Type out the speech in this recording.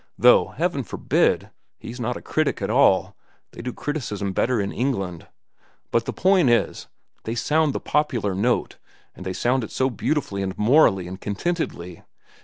Though, Heaven forbid! he's not a critic at all. They do criticism better in England. "But the point is, they sound the popular note, and they sound it so beautifully and morally and contentedly.